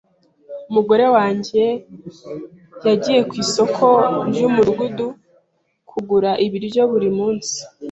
Umugore wanjye yagiye ku isoko ryumudugudu kugura ibiryo buri munsi.